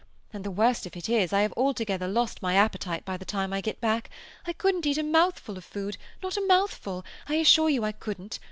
And the worst of it is I have altogether lost my appetite by the time I get back. I couldn't eat a mouthful of food—not a mouthful—I assure you I couldn't.